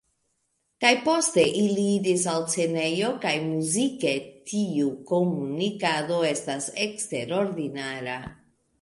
Kaj poste ili iras al scenejo kaj muzike tiu komunikado estas eksterordinara"".